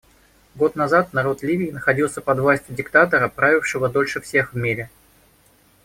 Год назад народ Ливии находился под властью диктатора, правившего дольше всех в мире.